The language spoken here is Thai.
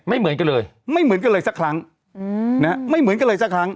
ไม่เหมือนกันเลยไม่เหมือนกันเลยสักครั้งนะฮะไม่เหมือนกันเลยสักครั้ง